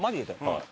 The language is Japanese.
はい。